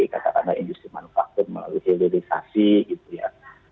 katakanlah industri manufaktur melalui hilirisasi gitu ya